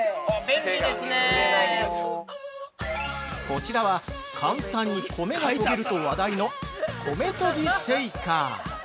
◆こちらは、簡単に米がとげると話題の、米研ぎシェーカー。